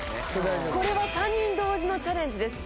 これは３人同時のチャレンジです。